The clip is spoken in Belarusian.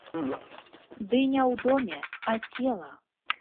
Ды не ў доме, а цела!